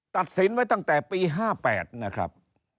ตัดสินไว้ตั้งแต่ปี๕๘นะครับ